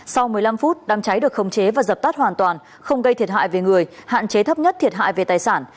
sau một mươi năm phút đám cháy được khống chế và dập tắt hoàn toàn không gây thiệt hại về người hạn chế thấp nhất thiệt hại về tài sản